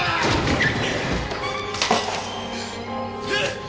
うっ！